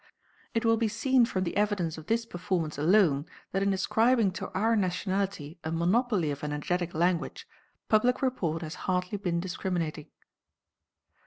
It will be seen from the evidence of this performance alone that in ascribing to our nationality a monopoly of energetic language, public report has hardly been discriminating.